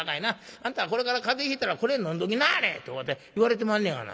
『あんたこれから風邪ひいたらこれ飲んどきなはれ』って言われてまんねやがな。